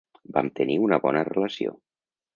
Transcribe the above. Vam tenir una bona relació.